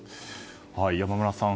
山村さん